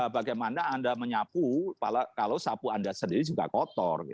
bagaimana anda menyapu kalau sapu anda sendiri juga kotor